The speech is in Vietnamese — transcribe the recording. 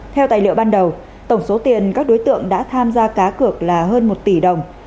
theo tài liệu ban đầu tổng số tiền các đối tượng đã tham gia cá cược là hơn một tỷ đồng